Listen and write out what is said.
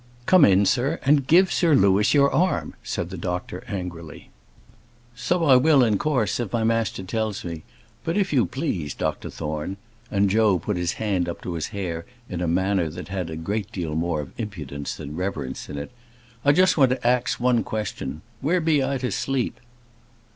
"Come in, sir, and give Sir Louis your arm," said the doctor, angrily. "So I will in course, if my master tells me; but, if you please, Dr Thorne," and Joe put his hand up to his hair in a manner that had a great deal more of impudence than reverence in it "I just want to ax one question: where be I to sleep?"